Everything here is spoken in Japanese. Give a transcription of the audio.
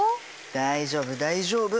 大丈夫大丈夫。